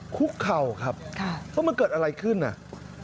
คุกเขาครับ๊ะตอนนี้เกิดอะไรขึ้นน่ะครับ